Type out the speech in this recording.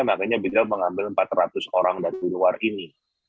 makanya beliau mengambil empat ratus orang dari luar ini